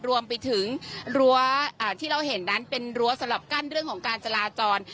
รวมไปถึงรั้วที่เราเห็นนั้นเป็นรั้วสำหรับกั้นเรื่องของการจราจร